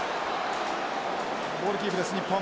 ボールキープです日本。